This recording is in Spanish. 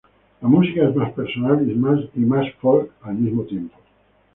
La música es más personal y más folk al mismo tiempo.